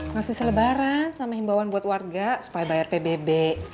ngasih selebaran sama himbauan buat warga supaya bayar pbb